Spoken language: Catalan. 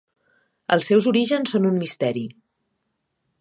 Els seus orígens són un misteri.